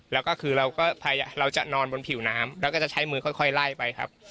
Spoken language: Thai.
แล้วก็คือเราจะนอนบนผิวน้ำแล้วก็จะใช้มือค่อยไล่ไปครับ